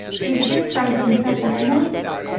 Maybe, this frank confession annoys you."